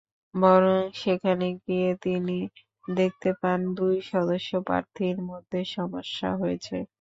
বরং সেখানে গিয়ে তিনি দেখতে পান, দুই সদস্য প্রার্থীর মধ্যে সমস্যা হয়েছে।